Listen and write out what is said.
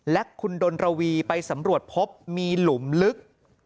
และคุณดนระวีไปสำรวจพบมีหลุมลึก